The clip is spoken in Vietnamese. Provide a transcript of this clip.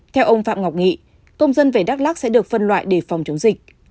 theo ông phạm ngọc nghị công dân về đắk lắc sẽ được phân loại để phòng chống dịch